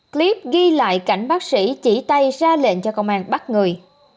clip ghi lại cảnh bác sĩ chỉ tay ra lệnh cho công an bắt người